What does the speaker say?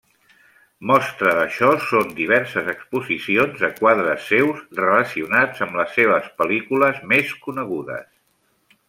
Mostra d'això són diverses exposicions de quadres seus relacionats amb les seves pel·lícules més conegudes.